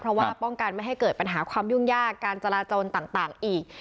เพราะว่าป้องกันไม่ให้เกิดปัญหาความยุ่งยากการจราจนต่างอีก